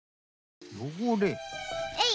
えい！